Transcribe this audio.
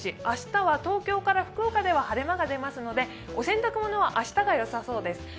明日は東京から福岡では晴れ間が出ますのでお洗濯物は明日がよさそうです。